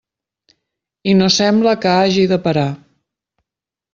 I no sembla que hagi de parar.